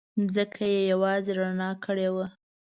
ځمکه یې یوازې رڼا کړې وه.